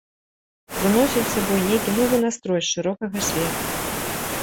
Прыносіў з сабой нейкі новы настрой з шырокага свету.